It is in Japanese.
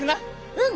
うん。